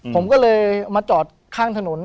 ผมก็เลยมาจอดข้างถนน